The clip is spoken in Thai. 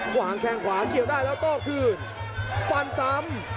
หว่างแค่งขวาเกียบได้แล้วก็คืนฟันตำ